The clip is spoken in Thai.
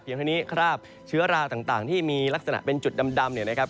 คราวนี้คราบเชื้อราต่างที่มีลักษณะเป็นจุดดำเนี่ยนะครับ